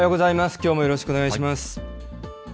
きょうもよろしくお願いいたします。